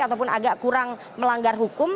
ataupun agak kurang melanggar hukum